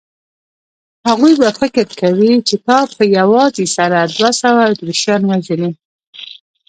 هغوی به فکر کوي چې تا په یوازې سره دوه سوه اتریشیان وژلي.